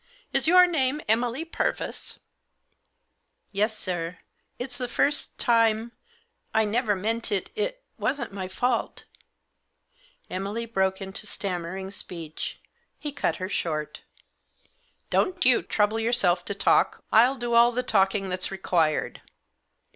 lis your name Emily Purvis ?" H Yes, sir. It's the first time — I never meant it — it wasn't my fault" Emily broke into stammering speeh ; he cut her short, Don't you trouble yourself to talk ; I'll do all the talking that's required.